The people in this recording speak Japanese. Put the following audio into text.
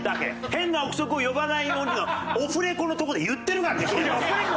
「変な臆測を呼ばないように」はオフレコのとこで言ってるからね栗山さん。